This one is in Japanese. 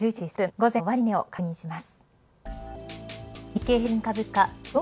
午前の終値を確認します。